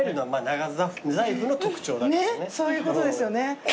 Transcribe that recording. ねっそういうことですよね。